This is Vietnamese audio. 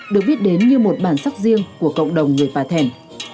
được biết đến như một bản sắc riêng của cộng đồng người bà thẻn